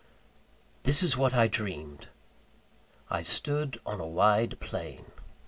This is what I dreamed: I stood on a wide plain.